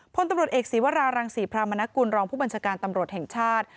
พลตำรวจเอกศีวรารังศรีพรามนกุลรองผู้บัญชาการตำรวจแห่งชาติ